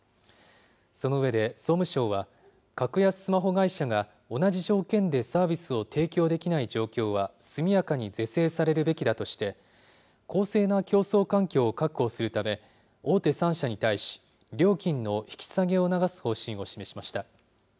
その上で総務省は、格安スマホ会社が同じ条件でサービスを提供できない状況は速やかに是正されるべきだとして、公正な競争環境を確保するため、大手３社に対し、料金の引き下げを促す方針を示しました。